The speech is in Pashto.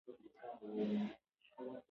که لغت نه يي؛ نه به ګرامر يي او نه ږغونه.